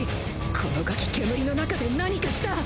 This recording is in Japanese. このガキ煙の中で何かした！